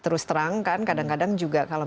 terus terangkan kadang kadang juga kalau